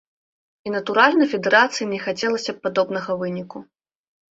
І, натуральна, федэрацыі не хацелася б падобнага выніку.